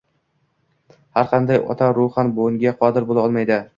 Har qanday ota ruhan bunga qodir bo‘la olmaydi.